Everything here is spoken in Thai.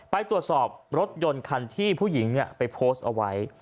ไปตรวจสอบรถยนต์คันที่ผู้หญิงไปโพสต์เอาไว้